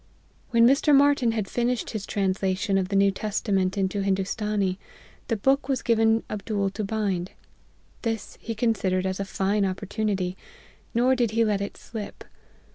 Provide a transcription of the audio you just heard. " When Mr. Martyn had finished his translation of the New Testament into Hindoostanee, the book was given Abdool to bind. This he considered as a fine opportunity ; nor did he let it slip.